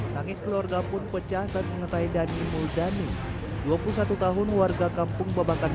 tangis keluarga pun pecah saat mengetahui dhani muldani dua puluh satu tahun warga kampung babakan